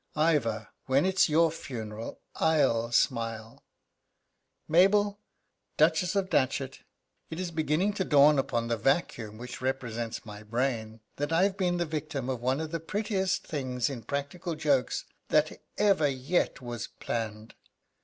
Ivor, when its your funeral I'll smile. Mabel, Duchess of Dachet, it is beginning to dawn upon the vacuum which represents my brain that I've been the victim of one of the prettiest things in practical jokes that ever yet was planned.